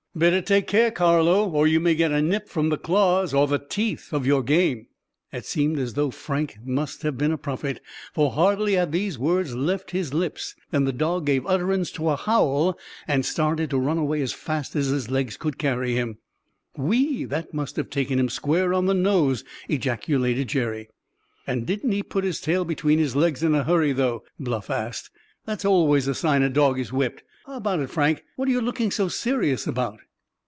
"Better take care, Carlo, or you may get a nip from the claws or the teeth of your game!" It seemed as though Frank must have been a prophet, for hardly had these words left his lips than the dog gave utterance to a howl, and started to run away as fast as his legs could carry him. "Whee! That must have taken him square on the nose!" ejaculated Jerry. "And didn't he put his tail between his legs in a hurry, though?" Bluff asked. "That's always a sign a dog is whipped. How about it. Frank? What're you looking so serious about?"